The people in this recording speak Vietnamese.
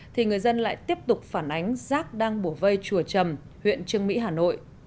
thì người dân lại tiếp tục phản ánh rác đang bổ vây chùa trầm huyện trương mỹ hà nội